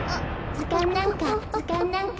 ずかんなんかずかんなんか。